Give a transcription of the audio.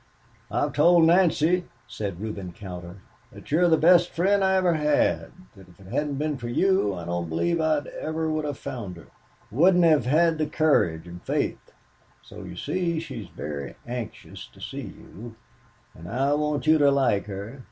"I've told Nancy," said Reuben Cowder, "that you are the best friend I ever had, that if it hadn't been for you I don't believe I ever would have found her wouldn't have had the courage and faith. So, you see, she is very anxious to see you, and I want you to like her.